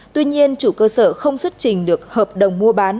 tuy nhiên chủ cơ sở không xuất trình được hợp đồng mua bán